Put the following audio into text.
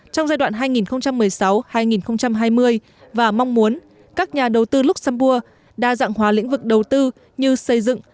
trong giai đoạn hai nghìn một mươi sáu hai nghìn hai mươi và mong muốn các nhà đầu tư luxembourg đa dạng hóa lĩnh vực đầu tư như xây dựng